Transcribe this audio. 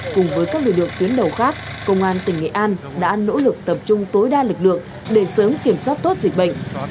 cùng với các lực lượng tuyến đầu khác công an tỉnh nghệ an đã nỗ lực tập trung tối đa lực lượng để sớm kiểm soát tốt dịch bệnh